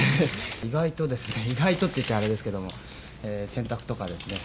「意外とですね“意外と”って言ったらあれですけども洗濯とかですねまあ